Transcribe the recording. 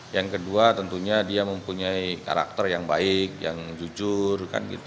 yang kedua tentunya dia mempunyai karakter yang baik yang jujur